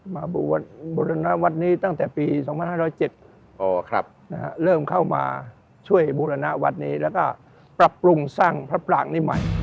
บูรณวัดนี้ตั้งแต่ปี๒๕๐๗เริ่มเข้ามาช่วยบูรณะวัดนี้แล้วก็ปรับปรุงสร้างพระปรางนี้ใหม่